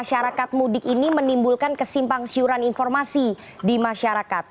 masyarakat mudik ini menimbulkan kesimpangsiuran informasi di masyarakat